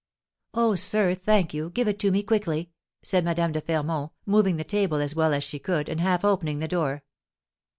"Oh, sir, thank you; give it to me quickly!" said Madame de Fermont, moving the table as well as she could, and half opening the door.